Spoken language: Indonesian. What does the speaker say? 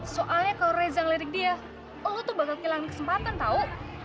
soalnya kalo reza ngelirik dia lo tuh bakal kehilangan kesempatan tau